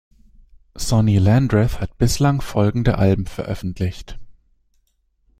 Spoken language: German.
Sonny Landreth hat bislang folgende Alben veröffentlicht.